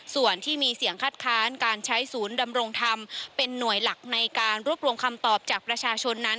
ส่วนที่มีเสียงคัดค้านการใช้ศูนย์ดำรงธรรมเป็นหน่วยหลักในการรวบรวมคำตอบจากประชาชนนั้น